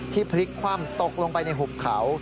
ที่พลิกความตกลงไปในหุบเขา